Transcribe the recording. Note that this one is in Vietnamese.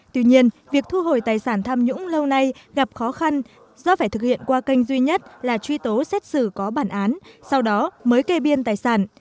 tuy nhiên việc thu hồi tài sản tham nhũng lâu nay gặp khó khăn do phải thực hiện qua kênh duy nhất là truy tố xét xử có bản án sau đó mới kê biên tài sản